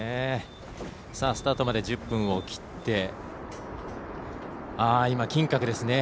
スタートまで１０分を切って金閣ですね。